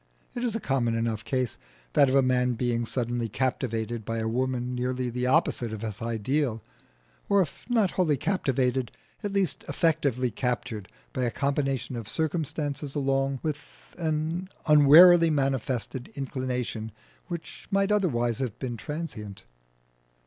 It is a common enough case, that of a man being suddenly captivated by a woman nearly the opposite of his ideal; or if not wholly captivated, at least effectively captured by a combination of circumstances along with an unwarily manifested inclination which might otherwise have been transient.